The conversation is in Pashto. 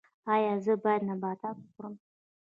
ایا زه باید نبات وخورم؟